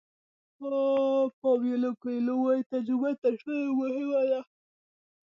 پاویلو کویلو وایي تجربه تر ټولو مهمه ده.